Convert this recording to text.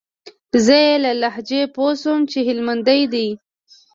زه يې له لهجې پوه سوم چې هلمندى دى.